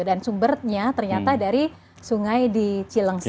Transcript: dan sumbernya ternyata dari sungai di cilengsi